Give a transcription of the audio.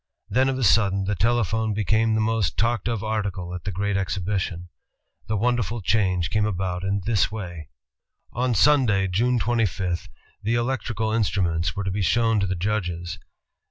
Then of a sudden the telephone became the most talked of article at the great exhibition. The wonderful change came about in this way. On Sunday, June 25, the electrical instruments were to be shown to the judges.